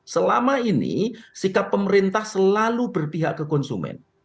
selama ini sikap pemerintah selalu berpihak ke konsumen